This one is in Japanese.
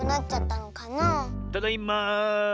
ただいま。